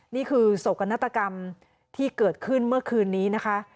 นี่คือโศกนาฏกรรมที่เกิดขึ้นเมื่อคืนนี้นะคะ